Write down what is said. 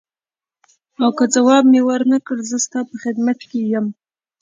او که ځواب مې ورنه کړ زه ستا په خدمت کې یم.